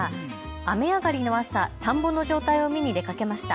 雨上がりの朝、田んぼの状態を見に出かけました。